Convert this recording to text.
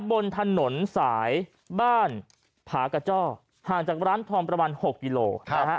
บนถนนสายบ้านผากระจอกห่างจากร้านทองประมาณหกกิโลกรัมครับ